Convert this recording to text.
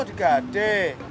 ada apa be